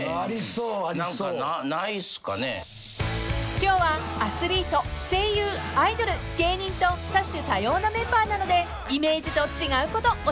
［今日はアスリート声優アイドル芸人と多種多様なメンバーなのでイメージと違うこと教えてください］